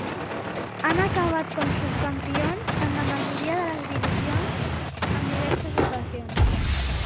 Han acabat com subcampions en la majoria de les divisions en diverses ocasions.